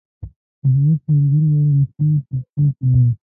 احمد په ملګرو باندې ښې خرڅې کوي.